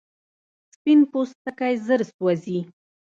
سپین پوستکی ژر سوځي